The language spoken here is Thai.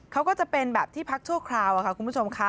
เขาก็จะเป็นแบบที่พักชั่วคราวค่ะคุณผู้ชมค่ะ